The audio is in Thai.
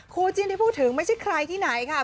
คู่จิ้นที่พูดถึงไม่ใช่ใครที่ไหนค่ะ